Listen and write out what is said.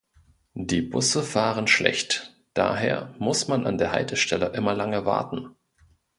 Die Busse fahren schlecht, daher muss man an der Haltestelle immer lange warten.